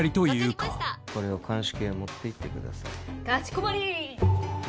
かしこまり！